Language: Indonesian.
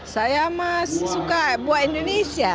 saya masih suka buah indonesia